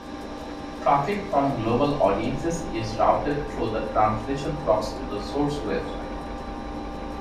Traffic from global audiences is routed through the translation proxy to the source website.